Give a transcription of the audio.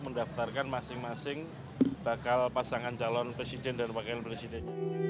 mendaftarkan masing masing bakal pasangan calon presiden dan wakil presiden